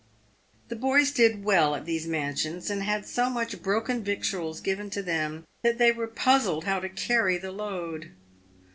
The boys did well at these mansions, and had so much broken vic tuals given to them that they were puzzled how to carry the load.